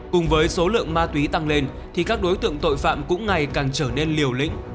cùng với số lượng ma túy tăng lên thì các đối tượng tội phạm cũng ngày càng trở nên liều lĩnh